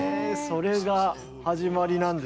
それが始まりなんで。